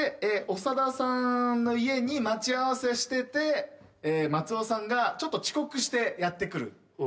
長田さんの家に待ち合わせしてて松尾さんがちょっと遅刻してやって来る。